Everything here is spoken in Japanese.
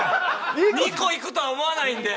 ２個いくとは思わないんで。